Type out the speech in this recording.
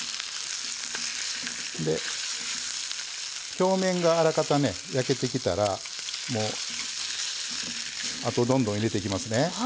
表面があらかた焼けてきたらもうあとどんどん入れていきますね。